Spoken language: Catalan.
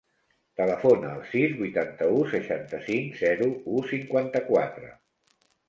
Telefona al sis, vuitanta-u, seixanta-cinc, zero, u, cinquanta-quatre.